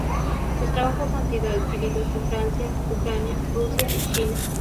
Sus trabajos han sido exhibidos en Francia, Ucrania, Rusia y China.